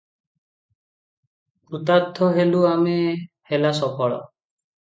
କୃତାର୍ଥ ହେଲୁ ଆମେ ହେଲା ସଫଳ-